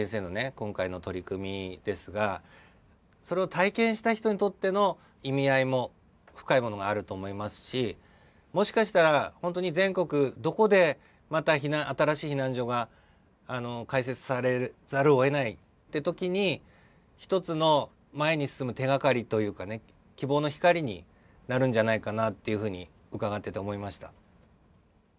今回の取り組みですがそれを体験した人にとっての意味合いも深いものがあると思いますしもしかしたらほんとに全国どこでまた新しい避難所が開設されざるを得ないっていう時に１つの前に進む手がかりというかね希望の光になるんじゃないかなっていうふうに伺ってて思いました。